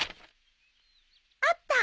あった！